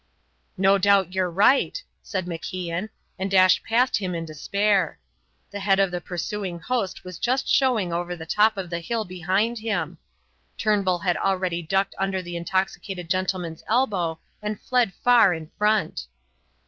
"No doubt you're right," said MacIan, and dashed past him in despair. The head of the pursuing host was just showing over the top of the hill behind him. Turnbull had already ducked under the intoxicated gentleman's elbow and fled far in front.